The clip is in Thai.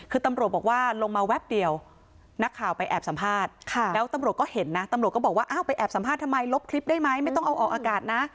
คือตำรวจบอกว่าลงมาแป๊บเดียวนักข่าวไปแอบสัมภาษณ์แล้วตำรวจก็เห็นนะตำรวจก็บอกว่าอ้าวไปแอบสัมภาษณ์ทำไมลบคลิปได้ไหมไม่ต้องเอาออกอากาศนะ